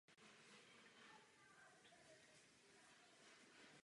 Všichni jeho prarodiče pocházeli z Ukrajiny.